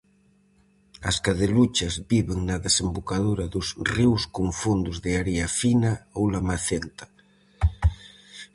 As cadeluchas viven na desembocadura dos ríos con fondos de area fina ou lamacenta.